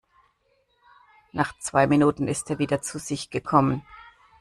Nach zwei Minuten ist er wieder zu sich gekommen.